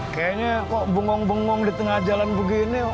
kayaknya kok bengong bengong di tengah jalan begini